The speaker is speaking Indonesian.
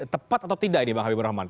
tepat atau tidak ini bang habibur rahman